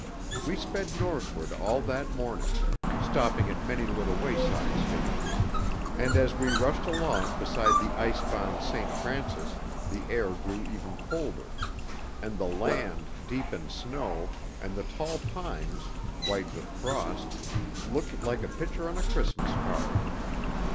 We sped northward all that morning, stopping at many little wayside stations, and as we rushed along beside the ice bound St. Francis the air ever grew colder, and the land, deep in snow, and the tall pines, white with frost, looked like a picture on a Christmas card.